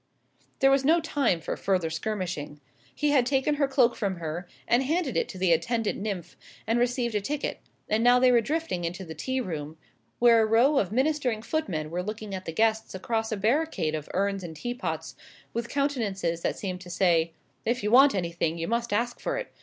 There was no time for further skirmishing. He had taken her cloak from her, and handed it to the attendant nymph, and received a ticket; and now they were drifting into the tea room, where a row of ministering footmen were looking at the guests across a barricade of urns and teapots, with countenances that seemed to say, "If you want anything, you must ask for it.